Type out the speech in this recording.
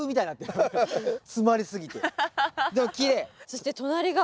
そして隣が。